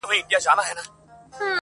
ای د اسلام لباس کي پټ یهوده،